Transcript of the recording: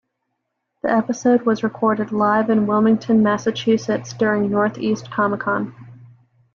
The episode was recorded live in Wilmington, Massachusetts during North East ComicCon.